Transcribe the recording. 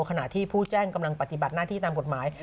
ขณะที่ผู้แจ้งกำลังปฏิบัติหน้าที่ตามกฎหมาย